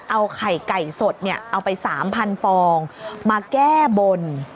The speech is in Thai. เอาไข่ไก่สดเอาไป๓๐๐ฟองมาแก้บน